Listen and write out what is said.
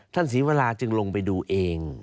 ท่านศิวราจึงลงไปดูเอง